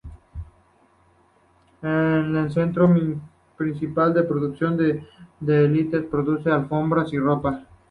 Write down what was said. Es un centro principal de producción de dátiles y produce alfombras y ropa.